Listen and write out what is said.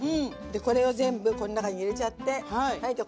これを全部この中に入れちゃってはいじゃ